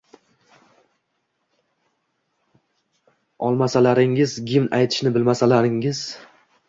olmasalaringiz, gimn aytishni bilmasalaringiz...